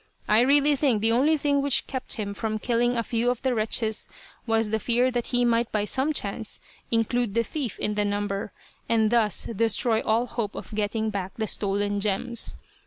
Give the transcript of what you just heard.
I really think the only thing which kept him from killing a few of the wretches was the fear that he might by some chance include the thief in the number, and thus destroy all hope of getting back the stolen gems.